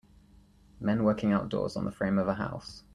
Men working outdoors on the frame of a house.